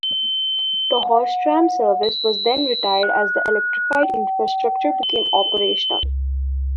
The horse tram service was then retired as the electrified infrastructure became operational.